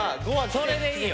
それでいいよ